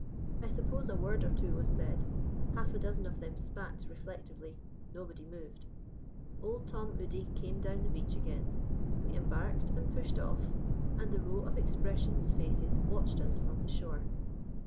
I suppose a word or two was said; half a dozen of them spat reflectively; nobody moved. Old Tom Udy came down the beach again; we embarked and pushed off, and the row of expressionless faces watched us from the shore.